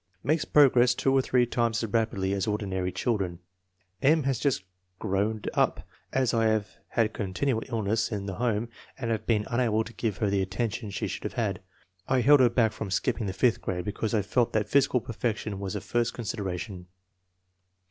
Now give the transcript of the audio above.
Makes progress two or three times as rapidly as ordinary children. " M. has just * growed up ' as I have had continual illness in the home and have been un able to give her the attention she should have had. I held her back from skipping the fifth grade because I felt that physical perfection was the first consid eration."